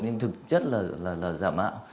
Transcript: nhưng thực chất là giả mạo